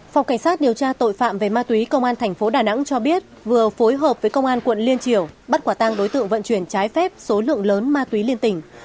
phòng cảnh sát điều tra tội phạm về ma túy công an tp đà nẵng cho biết vừa phối hợp với công an quận liên triều bắt quả tang đối tượng vận chuyển trái phép số lượng lớn ma túy liên tỉnh